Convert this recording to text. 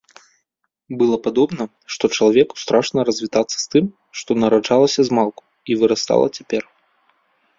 Было падобна, што чалавеку страшна развітацца з тым, што нараджалася змалку і вырастала цяпер.